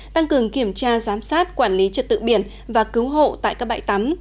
tăng cường kiểm tra giám sát quản lý trật tự biển và cứu hộ tại các bãi tắm